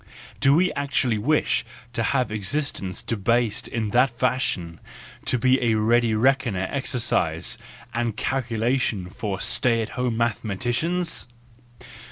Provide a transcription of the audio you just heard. do we actually wish to have existence debased in that fashion to a ready reckoner exercise and calculation for stay at home mathe¬ maticians?